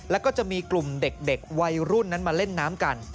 แล้วก็จะมีกลุ่มเด็กวัยรุ่นนั้นมาเล่นน้ำกัน